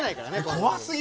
怖すぎる。